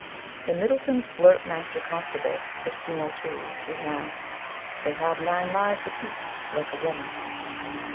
_ In Middleton's Blurt Master Constable, 1602, we have: "They have nine lives apiece, like a woman."